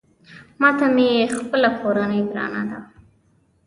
ماته مې خپله کورنۍ ګرانه ده